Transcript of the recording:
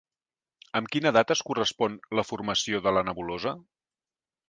Amb quina data es correspon la formació de la nebulosa?